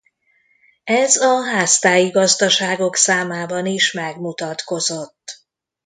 Ez a háztáji gazdaságok számában is megmutatkozott.